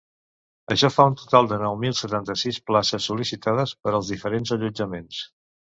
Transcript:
Això fa un total de nou mil setanta-sis places sol·licitades per als diferents allotjaments.